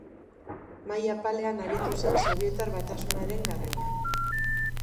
Maila apalean aritu zen Sobietar Batasunaren garaian.